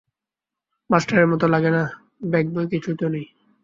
মাস্টারের মতো লাগে না ব্যগ বই কিছুই তো নেই।